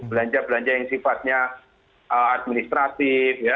belanja belanja yang sifatnya administratif ya